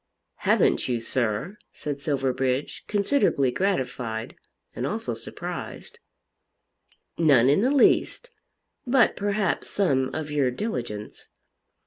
"Haven't you, sir?" said Silverbridge, considerably gratified, and also surprised. "None in the least. But, perhaps, some of your diligence."